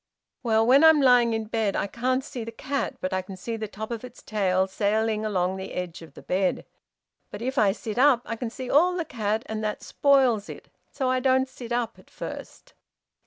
"Well, when I'm lying in bed I can't see the cat, but I can see the top of its tail sailing along the edge of the bed. But if I sit up I can see all the cat, and that spoils it, so I don't sit up at first."